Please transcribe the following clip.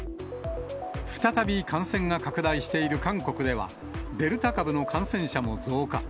再び感染が拡大している韓国では、デルタ株の感染者も増加。